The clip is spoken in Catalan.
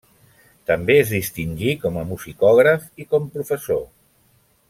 També es distingí com a musicògraf i com professor.